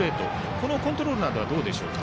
このコントロールなどはどうでしょうか？